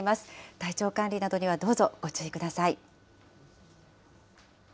体調管理などにはどうぞご注意ください。